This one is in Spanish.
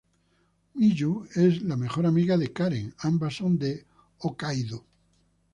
Miyu es la mejor amiga de Karen, ambas son de Hokkaido.